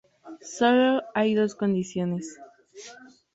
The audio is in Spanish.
Sólo hay dos condiciones.